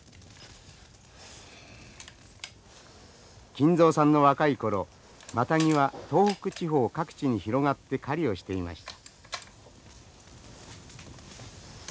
金蔵さんの若い頃マタギは東北地方各地に広がって狩りをしていました。